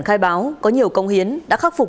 khai báo có nhiều công hiến đã khắc phục